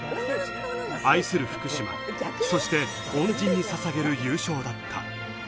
愛する福島そして恩人にささげる優勝だった。